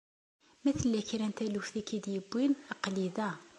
Ma tella kra n taluft i k-id-yuwin aql-i da.